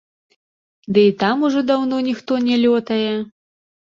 Ды і там ужо даўно ніхто не лётае.